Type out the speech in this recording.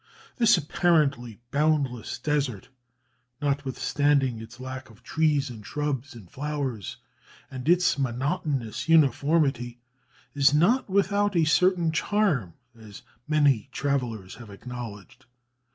This apparently boundless desert, notwithstanding its lack of trees and shrubs and flowers, and its monotonous uniformity, is not without a certain charm, as many travellers have acknowledged.